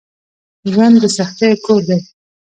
ژوند دسختیو کور دی